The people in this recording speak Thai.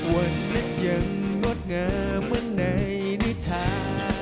วันเล็กยังงดงามเหมือนในนิชา